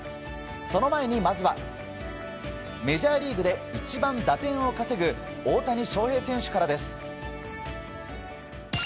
その前にまずはメジャーリーグで一番打点を稼ぐ大谷翔平選手からです。